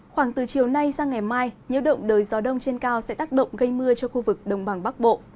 khoảng từ chiều nay sang ngày mai nhiễu động đời gió đông trên cao sẽ tác động gây mưa cho khu vực đồng bằng bắc bộ